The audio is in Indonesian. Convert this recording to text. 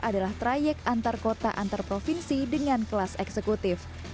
adalah trayek antar kota antar provinsi dengan kelas eksekutif